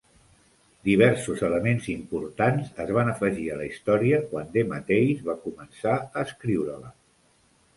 Diversos elements importants es van afegir a la història quan DeMatteis va començar a escriure-la.